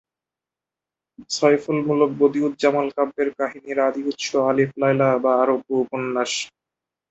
সয়ফুলমুলুক-বদিউজ্জামাল কাব্যের কাহিনীর আদি উৎস আলিফ লায়লা বা আরব্য উপন্যাস।